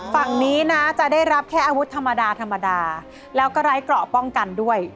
ฝั่งนี้นะจะได้รับแค่อาวุธธรรมดาธรรมดาแล้วก็ไร้เกราะป้องกันด้วย